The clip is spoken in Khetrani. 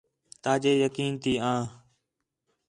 تاجے یقین تی آں